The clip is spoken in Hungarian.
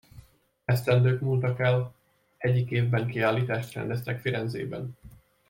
Esztendők múltak el; egyik évben kiállítást rendeztek Firenzében.